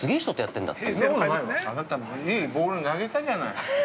あなたもいいボール投げたじゃない。